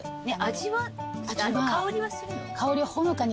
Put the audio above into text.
味は香りはするの？